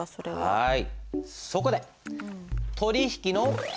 はい。